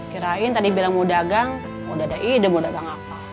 kirain tadi bilang mau dagang mau ada ide mau dagang apa